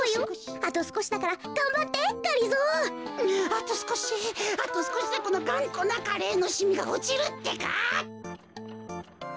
あとすこしでこのがんこなカレーのしみがおちるってか。